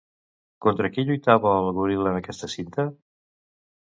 Contra qui lluitava el goril·la en aquesta cinta?